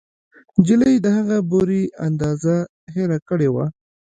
نجلۍ د هغه د بورې اندازه هېره کړې وه